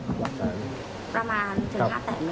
ประมาณถึงห้าแสนไหมครับ